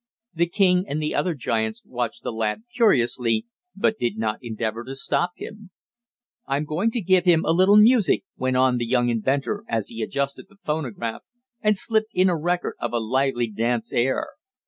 The king and the other giants watched the lad curiously, but did not endeavor to stop him. "I'm going to give him a little music," went on the young inventor as he adjusted the phonograph, and slipped in a record of a lively dance air.